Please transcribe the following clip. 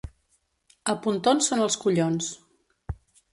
A Pontons són els collons.